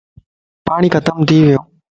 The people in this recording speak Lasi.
پاٽي ختم ٿي ويو.